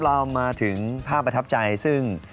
เรามาถึงภาพประทับใจซึ่ง